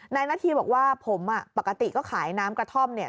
นาธีบอกว่าผมปกติก็ขายน้ำกระท่อมเนี่ย